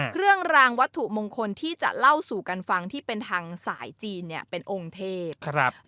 เครื่องรางวัตถุมงคลที่จะเล่าสู่กันฟังที่เป็นทางสายจีนเป็นองค์เทพ